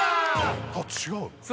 あっ違うの？